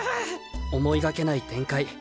思いがけない展開。